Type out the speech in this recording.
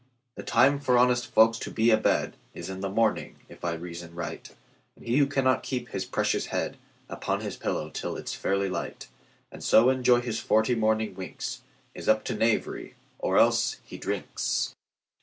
The time for honest folks to be a bedIs in the morning, if I reason right; And he who cannot keep his precious headUpon his pillow till it 's fairly light, And so enjoy his forty morning winks, Is up to knavery; or else—he drinks!